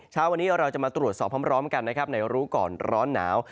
เช้าวันนี้เราจะมาตรวจสอบพร้อมกันนะครับในรู้ก่อนร้อนหนาว